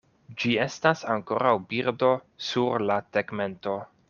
Ĝi estas ankoraŭ birdo sur la tegmento.